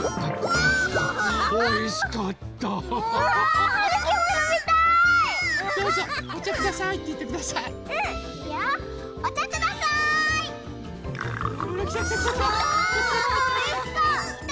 あおいしかった！